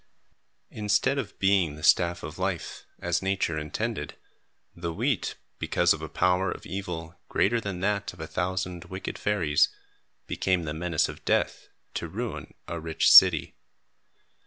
Instead of being the staff of life, as Nature intended, the wheat, because of a power of evil greater than that of a thousand wicked fairies, became the menace of death to ruin a rich city.